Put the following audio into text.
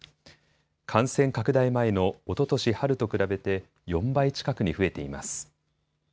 感染拡大前のおととし春と比べて４倍近くに増えています。